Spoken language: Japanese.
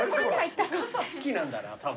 傘好きなんだなたぶん。